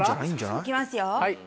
行きますよ。